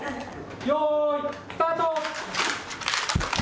よーい、スタート。